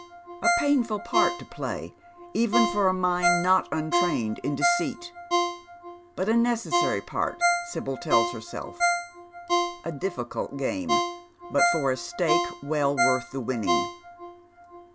A painful part to play even for a mind not untrained in deceit ; but a necessary part, Sibyl tells herself. A difficult game, but for a stake well worth tha v.inning.